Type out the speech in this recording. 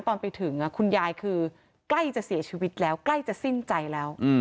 ตอนไปถึงคุณยายคือใกล้จะเสียชีวิตแล้วใกล้จะสิ้นใจแล้ว